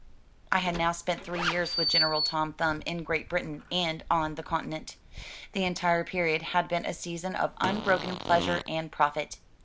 I had now spent three years with General Tom Thumb in Great Britain and on the continent. The entire period had been a season of unbroken pleasure and profit.